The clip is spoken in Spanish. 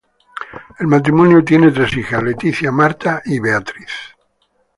El matrimonio tiene tres hijas: Leticia, Marta y Beatriz.